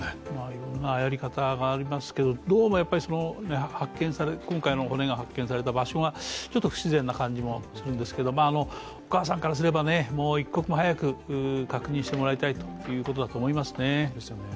いろんなやり方がありますけどどうも今回の骨が発見された場所がちょっと不自然な感じもするんですけれども、お母さんからすれば、一刻も早く確認してもらいたいということだと思いますね。